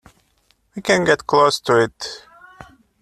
We can get close to it.